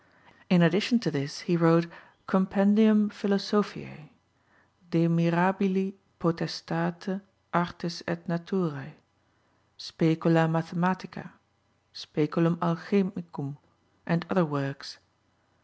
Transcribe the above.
In addition to this he wrote Compendium Philosophiae, De mirabili Potestate artis et naturae, Specula mathematica, Speculum alchemicum, and other works.